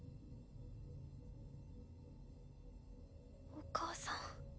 お母さん。